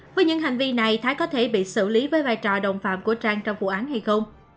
với những hành vi này thái có thể bị xử lý với vai trò đồng phạm của trang trong vụ án hay không